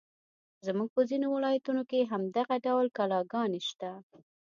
زموږ په ځینو ولایتونو کې هم دغه ډول کلاګانې شته.